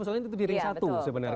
soalnya itu di ring satu sebenarnya